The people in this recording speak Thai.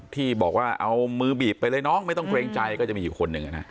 ที่บอกว่าเอามือบีบไปเลยน้องไม่ต้องเกรงใจก็จะมีอยู่คนหนึ่ง